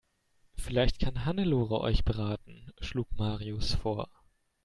Vielleicht kann Hannelore euch beraten, schlug Marius vor.